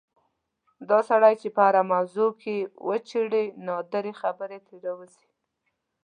دا سړی چې په هره موضوع کې وچېړې نادرې خبرې ترې راوځي.